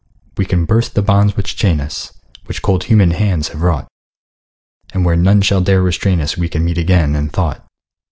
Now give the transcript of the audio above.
We can burst the bonds which chain us, Which cold human hands have wrought, And where none shall dare restrain us We can meet again, in thought.